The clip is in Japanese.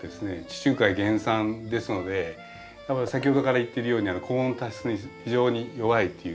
地中海原産ですので先ほどから言ってるように高温多湿に非常に弱いということですね。